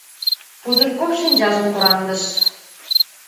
— Пузырьков шинчажым кораҥдыш.